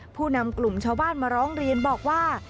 ผู้นำกลุ่มชาวบ้านมาร้องเรียนบอกว่า